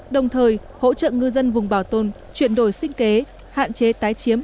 đồng thời hỗ trợ ngư dân vùng bảo tồn chuyển đổi sinh kế hạn chế tái chiếm